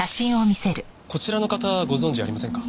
こちらの方ご存じありませんか？